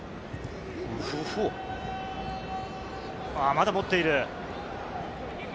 まだ持っている。